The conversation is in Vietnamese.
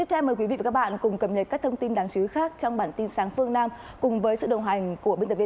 hãy đăng ký kênh để nhận thông tin nhất